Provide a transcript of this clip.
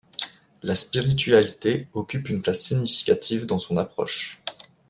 La spiritualité occupe une place significative dans son approche.